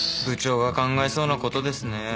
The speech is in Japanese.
部長が考えそうなことですね。